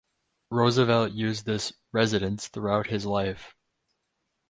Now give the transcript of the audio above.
Roosevelt used this residence throughout his life.